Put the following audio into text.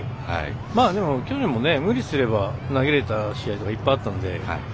でも、去年も無理すれば投げれた試合いっぱいあったので。